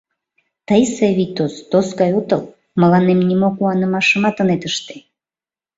Тый, Савий тос, тос гай отыл, мыланем нимо куанымашымат ынет ыште.